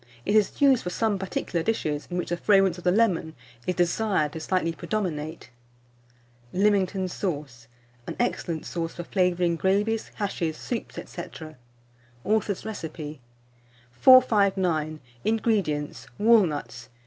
It is used for some particular dishes, in which the fragrance of the lemon is desired to slightly predominate. LEAMINGTON SAUCE (an Excellent Sauce for Flavouring Gravies, Hashes, Soups, &c.). (Author's Recipe.) 459. INGREDIENTS. Walnuts.